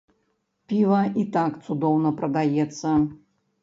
Піва і так цудоўна прадаецца.